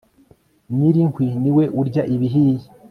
nyiri inkwi ni we urya ibihiye